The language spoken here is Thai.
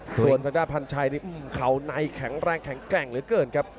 ส่วนทางด้านพันชัยนี่เข่าในแข็งแรงแข็งแกร่งเหลือเกินครับ